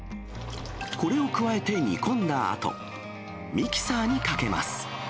これを加えて煮込んだあと、ミキサーにかけます。